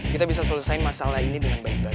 kita bisa selesaikan masalah ini dengan baik baik